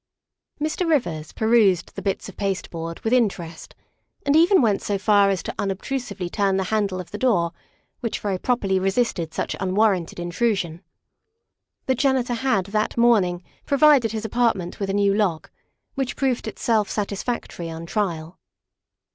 Mr. Rivers perused the bits of pasteboard with inter est, and even went so far as to unobtrusively turn the handle of the door, which very properly resisted such unwarranted intrusion. The janitor had that morning provided his apartment. with a new lock, which proved itself satisfactory on trial.